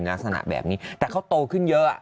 ลักษณะแบบนี้แต่เขาโตขึ้นเยอะ